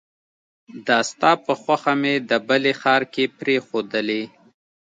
دا ستا په خوښه مې د بلې ښار کې پريښودلې